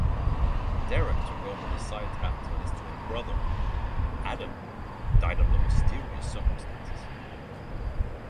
Derek took over the site after his twin brother, Adam, died under mysterious circumstances.